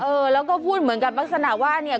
เออแล้วก็พูดเหมือนกับลักษณะว่าเนี่ย